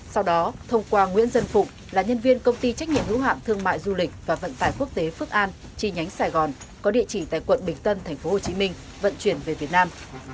sau đó thông qua nguyễn dân phụng là nhân viên công ty trách nhiệm hữu hạng thương mại du lịch và vận tải quốc tế phước an chi nhánh sài gòn có địa chỉ tại quận bình tân tp hcm vận chuyển về việt nam